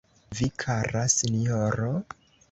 Vi, kara sinjoro?